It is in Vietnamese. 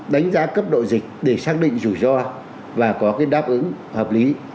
đánh giá cấp độ dịch để xác định rủi ro và có đáp ứng hợp lý